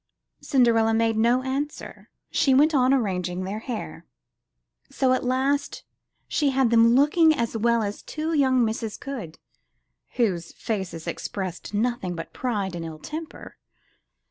Cinderella made no answer. She went on arranging their hair. So at last she had them looking as well as i66 UP ONE PAIR OF STAIRS two young misses could, whose faces expressed nothing but pride and ill temper.